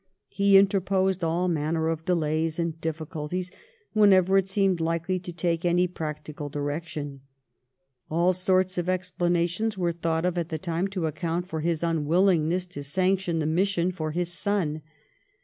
He interposed all manner of delays and difficulties whenever it seemed likely to take any practical direction. AU sorts of explanations were thought of at the time to account for his unwillingness to sanction the mission for his son.